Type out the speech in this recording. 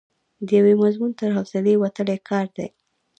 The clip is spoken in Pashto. د یوه مضمون تر حوصلې وتلی کار دی.